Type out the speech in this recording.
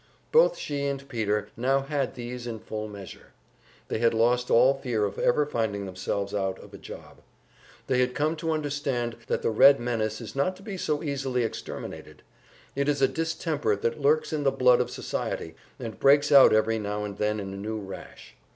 Both she and Peter now had these in full measure. They had lost all fear of ever finding themselves out of a job. They had come to understand that the Red menace is not to be so easily exterminated; it is a distemper that lurks in the blood of society, and breaks out every now and then in a new rash.